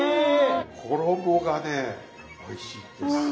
衣がねおいしいんですよ。